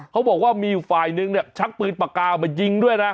เขาบอกว่ามีฝ่ายนึงเนี่ยชักปืนปากกามายิงด้วยนะ